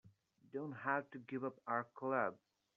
We don't have to give up our club.